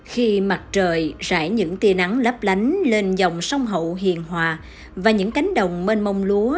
khi mặt trời rải những tia nắng lấp lánh lên dòng sông hậu hiền hòa và những cánh đồng mênh mông lúa